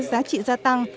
giá trị gia tăng